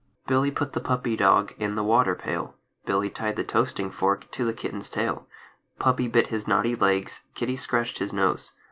BILLY put the puppy dog In the water pail; Billy tied the toasting fork To the kitten's tail. Puppy bit his naughty legs, Kitty scratched his nose.